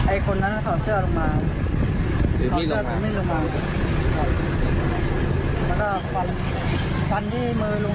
ไอ้คนนั้นถอดเสื้อลงมาหรือมีดลงมาแล้วก็ฟันฟันที่มือลุง